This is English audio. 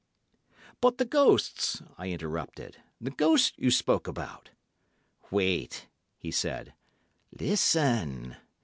"But the ghosts," I interrupted, "the ghosts you spoke about." "Wait," he said. "Listen!